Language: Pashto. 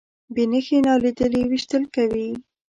بې نښې نالیدلي ویشتل کوي.